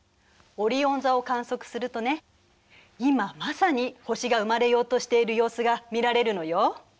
オリオン座を観測するとね今まさに星が生まれようとしている様子が見られるのよ。